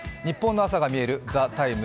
ニッポンの朝がみえる「ＴＨＥＴＩＭＥ，」